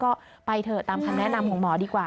ก็ไปเถอะตามคำแนะนำของหมอดีกว่า